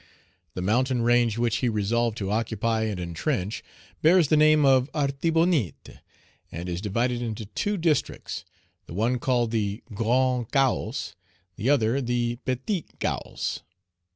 The mountain range which he resolved to occupy and entrench bears the name of Artibonite, and is divided into two districts, the one called the Grand Cahos, the other the Petit Cahos.